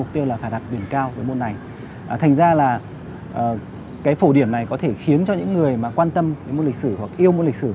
thành ra là phổ điểm này có thể khiến cho những người quan tâm môn lịch sử hoặc yêu môn lịch sử